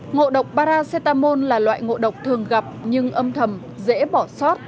ngộ độc baratamol là loại ngộ độc thường gặp nhưng âm thầm dễ bỏ sót